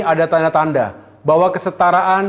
ada tanda tanda bahwa kesetaraan